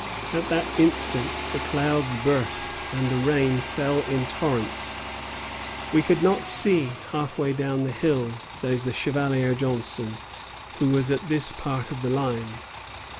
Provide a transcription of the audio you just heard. At that instant the clouds burst, and the rain fell in torrents. "We could not see half way down the hill," says the Chevalier Johnstone, who was at this part of the line.